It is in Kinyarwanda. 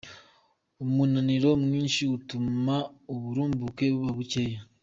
Umunaniro mwinshi utuma uburumbuke buba bukeya.